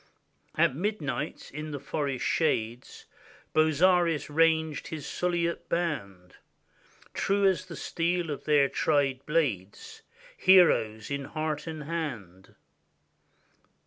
At midnight, in the forest shades, Bozzaris ranged his Suliote band, True as the steel of their tried blades, Heroes in heart and hand.